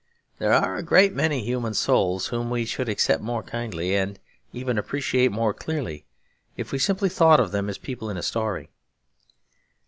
There are a great many human souls whom we should accept more kindly, and even appreciate more clearly, if we simply thought of them as people in a story.